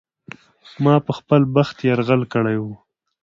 ما په خپل بخت یرغل کړی و.